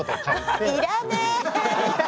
要らねえ。